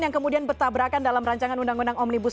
yang kemudian bertabrakan dalam rancangan undang undang omnibus